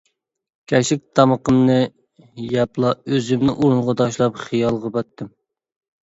كەچلىك تامىقىمنى يەپلا ئۆزۈمنى ئورۇنغا تاشلاپ خىيالغا پاتتىم.